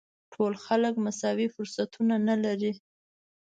ټول خلک مساوي فرصتونه نه لري.